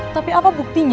tapi apa buktinya